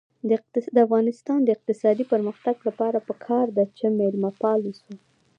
د افغانستان د اقتصادي پرمختګ لپاره پکار ده چې مېلمه پال اوسو.